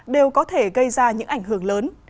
đều có thể gây ra những ảnh hưởng lớn